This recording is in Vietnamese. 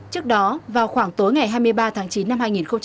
trước đó vào khoảng tối ngày hai mươi ba tháng chín năm hai nghìn hai mươi ba